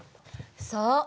そう。